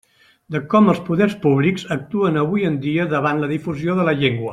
De com els “poders públics” actuen avui en dia davant la difusió de la llengua.